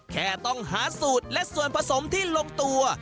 แค่ต้องหาสูตรและส่วนผสมที่ลงตัว